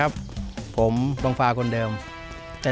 ถ้าตอบถูกเป็นคนแรกขึ้นมาเลย